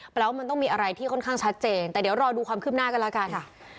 แปลว่ามันต้องมีอะไรที่ค่อนข้างชัดเจนแต่เดี๋ยวรอดูความคืบหน้ากันแล้วกัน